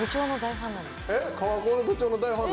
川高の部長の大ファン